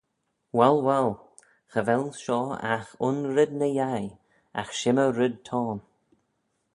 Wahll, wahll, cha vel shoh agh un red ny-yei, agh shimmey red t'ayn.